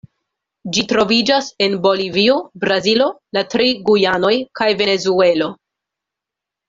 Ĝi troviĝas en Bolivio, Brazilo, la tri Gujanoj kaj Venezuelo.